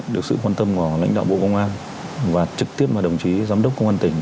được sự quan tâm của lãnh đạo bộ công an và trực tiếp là đồng chí giám đốc công an tỉnh